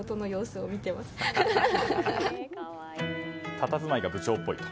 たたずまいが部長っぽいと。